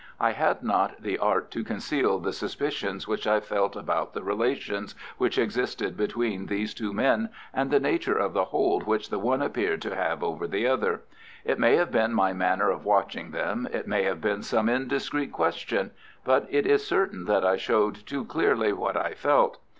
I had not the art to conceal the suspicions which I felt about the relations which existed between these two men and the nature of the hold which the one appeared to have over the other. It may have been my manner of watching them, it may have been some indiscreet question, but it is certain that I showed too clearly what I felt.